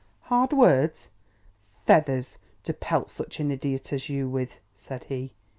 "Hard words? Feathers, to pelt such an idiot as you with," said he.